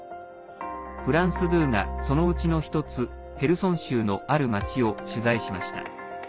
フランス２が、そのうちの１つヘルソン州のある町を取材しました。